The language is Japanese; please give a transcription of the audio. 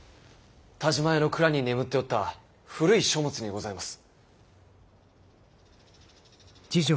田嶋屋の蔵に眠っておった古い書物にございます。